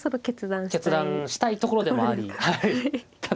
決断したいところでもありはい。